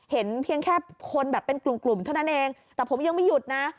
เห็นเพียงแค่คนแบบเป็นกลุ่มกลุ่มเท่านั้นเองแต่ผมยังไม่หยุดนะ